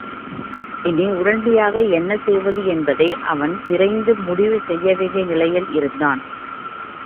இனி உடனடியாக என்ன செய்வது என்பதை அவன் விரைந்து முடிவு செய்யவேண்டிய நிலையில் இருந்தான்.